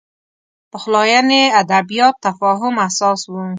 پخلاینې ادبیات تفاهم اساس و